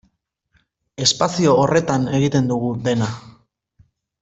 Espazio horretan egiten dugu dena.